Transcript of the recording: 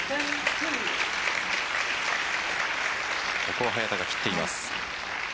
ここは早田が切っています。